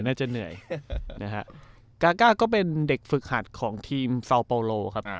นี่ฮะก๊าก็เป็นเด็กฝึกหัดของทีมเซาปอโลครับ